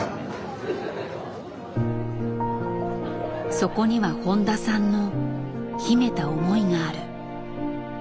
そこには誉田さんの秘めた思いがある。